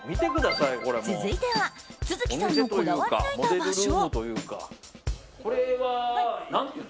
続いては續さんのこだわりぬいた場所。